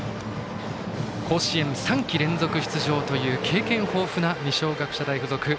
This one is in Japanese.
甲子園３季連続出場という経験豊富な二松学舎大付属。